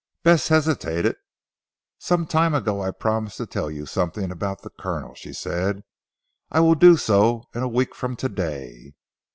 Bess hesitated. "Some time ago I promised to tell you something about the Colonel," she said. "I will do so in a week from to day."